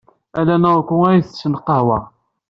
Ala Naoko ay ittessen lqahwa.